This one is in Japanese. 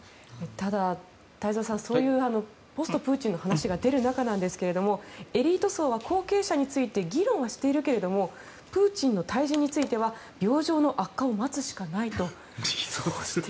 ただ、太蔵さんそういうポストプーチンの話が出る中なんですがエリート層は後継者について議論はしているけどプーチンの退陣については病状の悪化を待つしかないとしている。